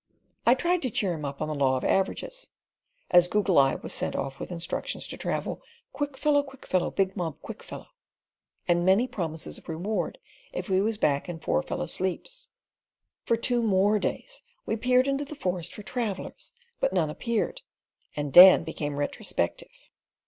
I tried to cheer him up on the law of averages, as Goggle Eye was sent off with instructions to travel "quick fellow, quick fellow, big mob quick fellow," and many promises of reward if he was back in "four fellow sleeps." For two more days we peered into the forest for travellers but none appeared, and Dan became retrospective.